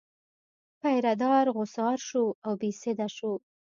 پیره دار غوځار شو او بې سده شو.